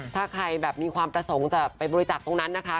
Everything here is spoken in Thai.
ถ้าใครแบบมีความประสงค์จะไปบริจักษ์ตรงนั้นนะคะ